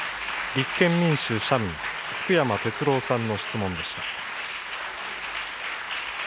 立憲民主・社民、福山哲郎さんの質問でした。